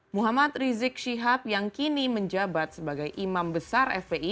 muhammad rizik syihab yang kini menjabat sebagai imam besar fpi